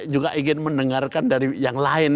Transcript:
juga ingin mendengarkan dari yang lain